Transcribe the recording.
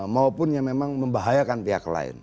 maupun yang memang membahayakan pihak lain